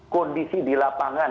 kondisi di lapangan